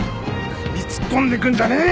首突っ込んでくんじゃねえよ！